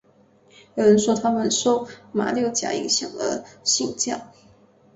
有人说他们是受马六甲影响而信教。